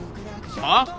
はあ！？